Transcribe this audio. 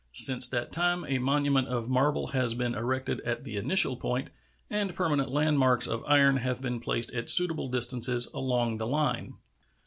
Since that time a monument of marble has been erected at the initial point, and permanent landmarks of iron have been placed at suitable distances along the line.